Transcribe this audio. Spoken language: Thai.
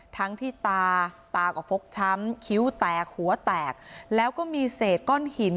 ทั้งที่ตาตาก็ฟกช้ำคิ้วแตกหัวแตกแล้วก็มีเศษก้อนหิน